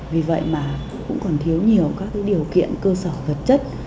vậy mà cũng còn thiếu nhiều các điều kiện cơ sở thực chất